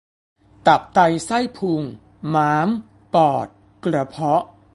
ตับไตไส้พุง ม้าม ปอด กระเพาะ